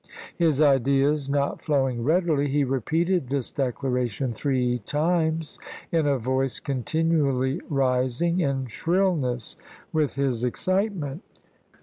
His ideas not flowing readily, he repeated this declaration three times in a voice continually rising in shrill ness with his excitement.